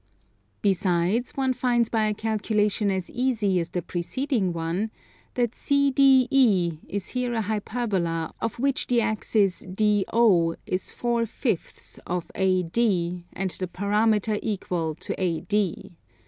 Besides one finds by a calculation as easy as the preceding one, that CDE is here a hyperbola of which the axis DO is 4/5 of AD, and the parameter equal to AD.